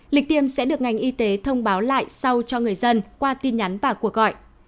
lịch tiêm sẽ được ngành y tế thông báo lại sau cho người dân qua tin nhắn và cuộc gọi